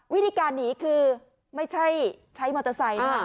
วิธีการหนีคือไม่ใช่ใช้มอเตอร์ไซค์นะ